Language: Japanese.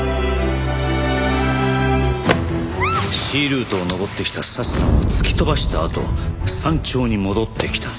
Ｃルートを登ってきた早智さんを突き飛ばしたあと山頂に戻ってきた。